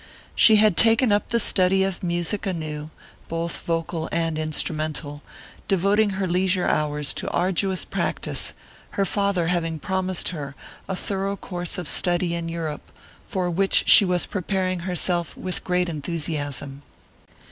She had taken up the study of music anew, both vocal and instrumental, devoting her leisure hours to arduous practice, her father having promised her a thorough course of study in Europe, for which she was preparing herself with great enthusiasm.